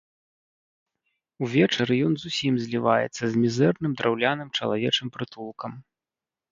Увечары ён зусім зліваецца з мізэрным драўляным чалавечым прытулкам.